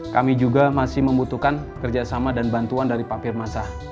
kami juga masih membutuhkan kerjasama dan bantuan dari papir masa